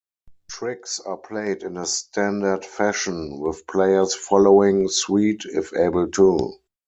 Tricks are played in a standard fashion, with players following suit if able to.